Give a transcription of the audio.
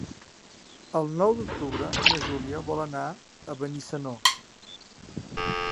El nou d'octubre na Júlia vol anar a Benissanó.